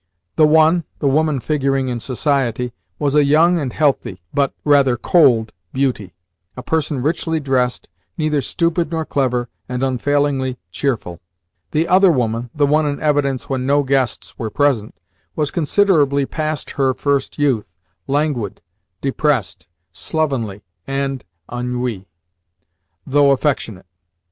The one (the woman figuring in society) was a young and healthy, but rather cold, beauty, a person richly dressed, neither stupid nor clever, and unfailingly cheerful. The other woman (the one in evidence when no guests were present) was considerably past her first youth, languid, depressed, slovenly, and ennuyee, though affectionate.